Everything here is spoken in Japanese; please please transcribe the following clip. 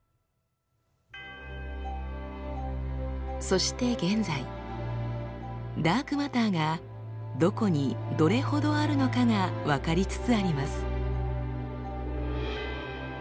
そして現在ダークマターがどこにどれほどあるのかが分かりつつあります。